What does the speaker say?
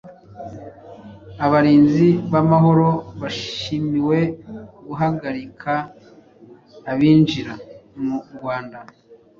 abarinzi b’amahoro bashimiwe guhagarika abinjira mu rwanda